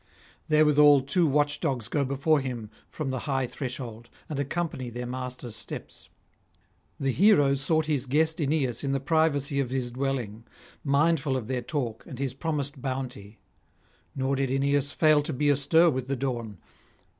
Therewithal two watch dogs go before him from the high threshold, and accompany their master's steps. The hero sought his guest Aeneas in the privacy of his dwelling, mindful of their talk and his promised bounty. Nor did Aeneas fail to be astir with the dawn.